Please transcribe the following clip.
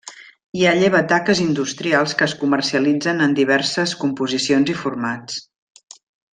Hi ha llevataques industrials que es comercialitzen en diverses composicions i formats.